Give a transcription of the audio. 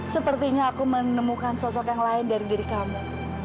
sepertinya aku menemukan sosok yang lain dari diri kamu